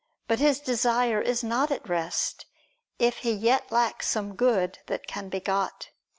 But his desire is not at rest, if he yet lacks some good that can be got.